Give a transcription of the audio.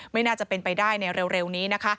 ไม่น่าจะเป็นไปได้ในเร็วนี้นะคะ